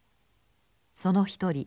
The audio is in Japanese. その一人